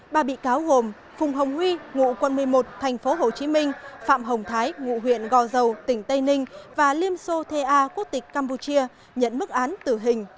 ba bị cáo gồm phùng hồng huy ngụ quân một mươi một tp hcm phạm hồng thái ngụ huyện gò dầu tỉnh tây ninh và liêm sô thê a quốc tịch campuchia nhận mức án tử hình